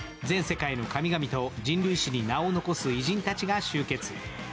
全世界の神々と人類史に名を残す偉人たちが集結。